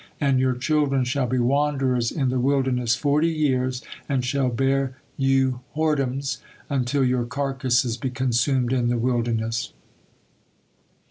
And your children shall be wanderers in the wilderness forty years, and shall bear you whoredoms, until your carcasses be consumed in the wilderness.'"